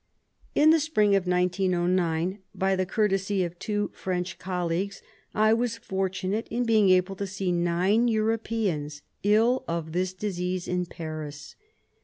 In the spring of 1909, by the courtesy of two French colleagues, I was fortunate in being able to see nine Europeans ill of this disease in Paris.